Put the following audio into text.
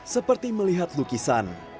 seperti melihat lukisan